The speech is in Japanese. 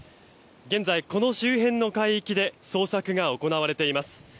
現在、この周辺の海域で捜索が行われています。